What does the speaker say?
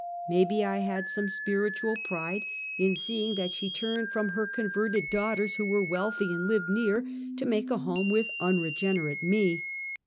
Maybe I had some spiritual pride in seeing that she turned from her converted daughters, who were wealthy and lived near, to make a home with unregenerate me.